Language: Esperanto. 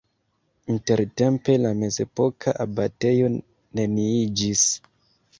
Intertempe la mezepoka abatejo neniiĝis.